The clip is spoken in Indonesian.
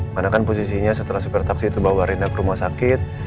manakan posisinya setelah supir taksi itu bawa rina ke rumah sakit